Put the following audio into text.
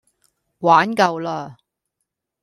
玩夠啦